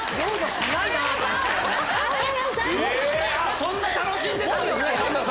そんな楽しんでたんですか？